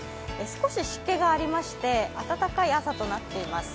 少し湿気がありまして、暖かい朝となっています。